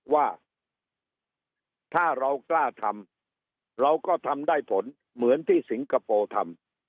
ว่าถ้าเรากล้าทำเราก็ทำได้ผลเหมือนที่สิงคโปร์ทำ